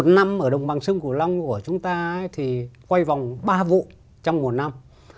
năm ở đồng bằng sông cửu long của chúng ta thì quay vòng ba vụ trong một năm